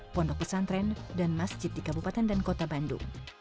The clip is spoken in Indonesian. pondok pesantren dan masjid di kabupaten dan kota bandung